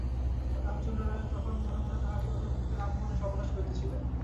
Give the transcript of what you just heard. রামচন্দ্র রায় তখন মনে মনে তাঁহার পুরাতন ভৃত্য রামমোহনের সর্বনাশ করিতে ছিলেন।